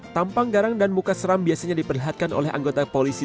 tampang garang dan muka seram biasanya diperlihatkan oleh anggota polisi